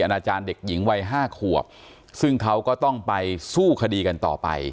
อาจารย์เด็กหญิงวัยห้าขวบซึ่งเขาก็ต้องไปสู้คดีกันต่อไป